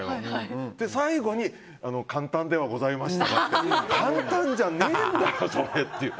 最後に簡単ではございましたがって簡単じゃないんだよ！という。